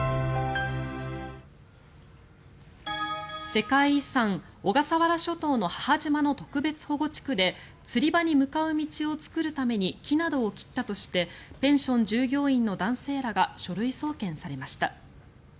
世界遺産・小笠原諸島の母島の特別保護地区で釣り場に向かう道を作るために木などを切ったとしてペンション従業員の男性らが書類送検されました。